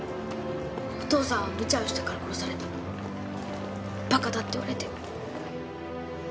「お父さんはむちゃをしたから殺された」「馬鹿だ」って言われて。